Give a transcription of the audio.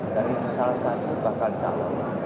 dari salah satu bahkan salah satu